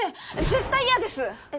絶対嫌です